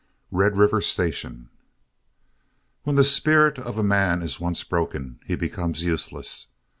RED RIVER STATION When the spirit of a man is once broken, he becomes useless.